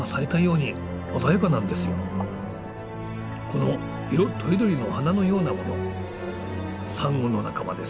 この色とりどりの花のようなものサンゴの仲間です。